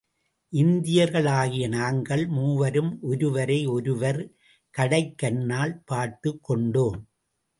இந்தியர்களாகிய நாங்கள் மூவரும் ஒருவரை ஒருவர் கடைக் கண்ணால் பார்த்துக் கொண்டோம்.